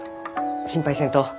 心配せんと。